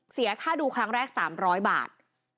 เสียค่าดูครั้งแรก๓๐๐บาท